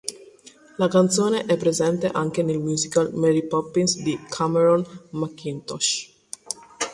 La canzone è presente anche nel musical "Mary Poppins" di Cameron Mackintosh.